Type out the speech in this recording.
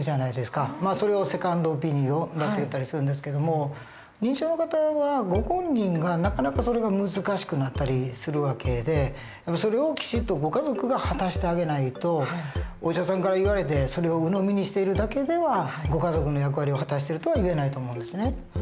それをセカンドオピニオンっていったりするんですけども認知症の方はご本人がなかなかそれが難しくなったりする訳でそれをきちっとご家族が果たしてあげないとお医者さんから言われてそれをうのみにしているだけではご家族の役割を果たしてるとはいえないと思うんですね。